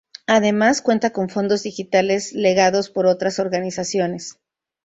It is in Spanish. Además cuenta con fondos digitales legados por otras organizaciones.